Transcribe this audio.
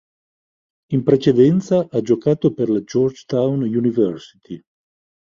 In precedenza, ha giocato per la Georgetown University.